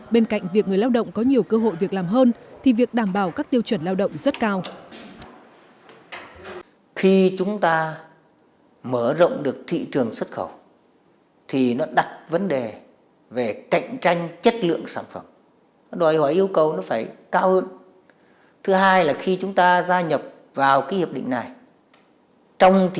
bên cạnh việc người lao động có nhiều cơ hội việc làm hơn thì việc đảm bảo các tiêu chuẩn lao động rất cao